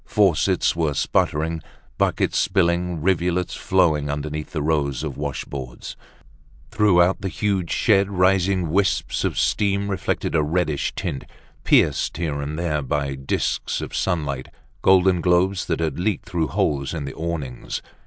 Faucets were sputtering, buckets spilling, rivulets flowing underneath the rows of washboards. Throughout the huge shed rising wisps of steam reflected a reddish tint, pierced here and there by disks of sunlight, golden globes that had leaked through holes in the awnings.